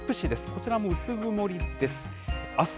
こちらも薄曇りです。